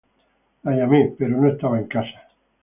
La llamé, pero no estaba en casa.